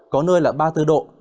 có nơi là ba mươi bốn độ